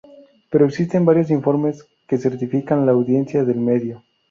Pero existen varios informes que certifican la audiencia del medio.